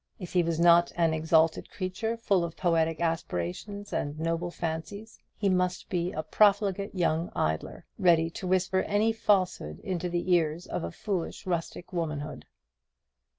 If he was not an exalted creature, full of poetic aspirations and noble fancies, he must be a profligate young idler, ready to whisper any falsehood into the ears of foolish rustic womanhood.